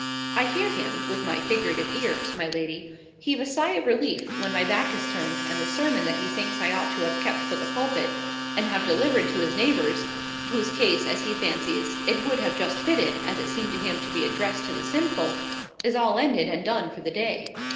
I hear him, with my figurative ears, my lady, heave a sigh of relief when my back is turned, and the sermon that he thinks I ought to have kept for the pulpit, and have delivered to his neighbours (whose case, as he fancies, it would just have fitted, as it seemed to him to be addressed to the sinful), is all ended, and done, for the day.